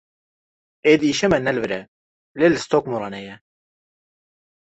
Êdî îşê me ne li hire lê li Stokmoranê ye.